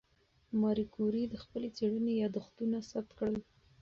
ماري کوري د خپلې څېړنې یادښتونه ثبت کړل.